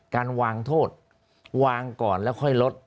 การวางโทษวางก่อนแล้วค่อยลด